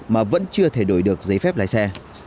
mà vẫn chưa thể đổi được giấy phép lái xe